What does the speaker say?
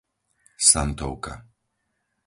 Santovka